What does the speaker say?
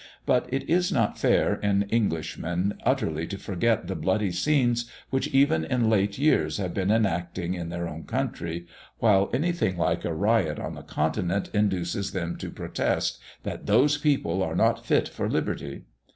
But it is not fair in Englishmen utterly to forget the bloody scenes which even in late years have been enacting in their own country, while anything like a riot on the Continent induces them to protest, "that those people are not fit for liberty."